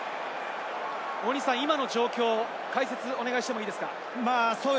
今の状況を解説をお願いしてもいいですか？